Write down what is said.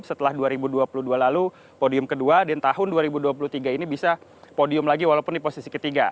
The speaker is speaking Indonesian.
setelah dua ribu dua puluh dua lalu podium kedua dan tahun dua ribu dua puluh tiga ini bisa podium lagi walaupun di posisi ketiga